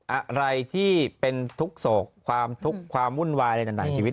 อะไรที่ให้เฮ็ดที่เป็นทุกข์โศกจะจุดหุ่นวายตั้งแต่ในชีวิต